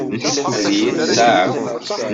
Ad iyi-tseɛef?